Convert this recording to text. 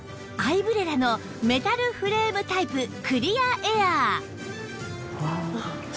アイブレラのメタルフレームタイプクリアエアー